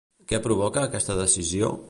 Què provoca aquesta decisió?